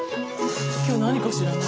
今日何かしらね？